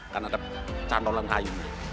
karena ada cantol dan kayu